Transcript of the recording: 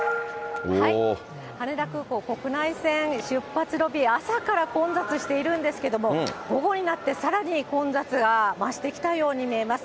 羽田空港国内線出発ロビー、朝から混雑しているんですけども、午後になってさらに混雑が増してきたように見えます。